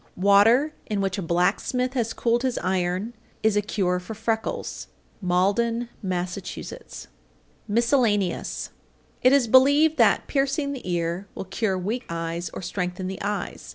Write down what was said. Water in which a blacksmith has cooled his iron is a cure for freckles. Malden, Mass. MISCELLANEOUS. 844. It is believed that "piercing the ear" will cure weak eyes or strengthen the eyes.